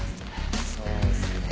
そうですね。